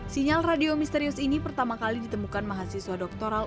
sinyal radio misterius ini pertama kali ditemukan mahasiswa doktoral